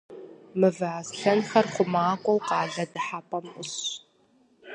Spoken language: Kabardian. Мывэ аслъэнхэр хъумакӏуэу къалэ дыхьэпӏэм ӏусщ.